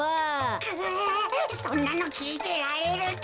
そんなのきいてられるか。